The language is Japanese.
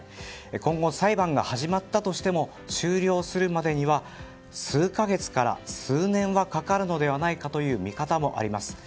今後、裁判が始まったとしても終了するまでには数か月から数年はかかるのではないかという見方もあります。